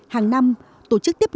hàng năm tổ chức tiếp hợp